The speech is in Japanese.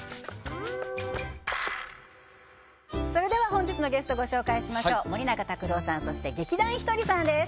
本日のゲストご紹介しましょう森永卓郎さんそして劇団ひとりさんです